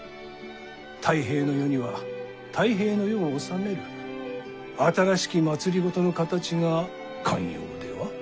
太平の世には太平の世を治める新しき政の形が肝要では。